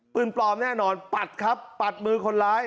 ปืนปลอมแน่นอนปัดครับปัดมือคนร้าย